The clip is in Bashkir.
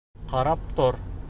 — Ҡарап тор.